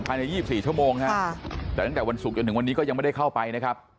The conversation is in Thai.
ใน๒๔ชั่วโมงฮะแต่ตั้งแต่วันศุกร์จนถึงวันนี้ก็ยังไม่ได้เข้าไปนะครับ